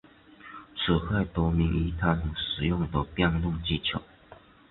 此派得名于他们使用的辩论技巧。